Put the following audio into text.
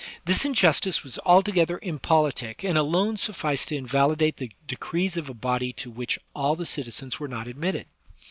This injustice was altogether impolitic, and alone sufficed to invalidate the decrees of a body to which all the citizens were not admitted.